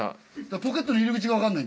ポケットの入り口が分かんないんだよ。